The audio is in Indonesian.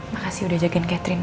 makasih udah jagain catherine